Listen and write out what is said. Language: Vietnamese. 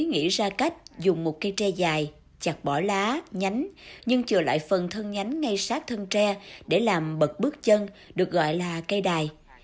nên người khơ me bảy núi nghĩ ra cách dùng một cây tre dài chặt bỏ lá nhánh nhưng chừa lại phần thân nhánh ngay sát thân tre để làm bật bước chân được gọi là cây đài